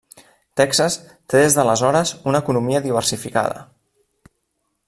Texas té des d'aleshores una economia diversificada.